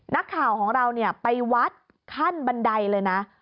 นักข่าวของเราไปวัดขั้นบันไดเลยนะ